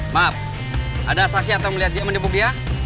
maaf ada asasi atau melihat dia menipu dia